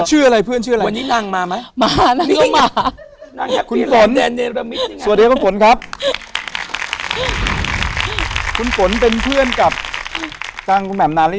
ชื่ออะไรเพื่อนชื่ออะไร